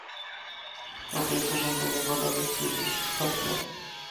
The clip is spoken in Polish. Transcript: Dobre zarządzanie wodą jest również istotne